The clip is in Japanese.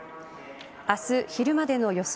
明日昼までの予想